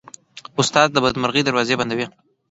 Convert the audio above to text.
استاد د بدمرغۍ دروازې بندوي.